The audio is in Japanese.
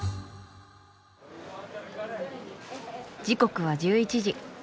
時刻は１１時。